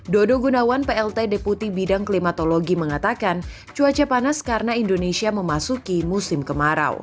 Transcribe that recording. dodo gunawan plt deputi bidang klimatologi mengatakan cuaca panas karena indonesia memasuki musim kemarau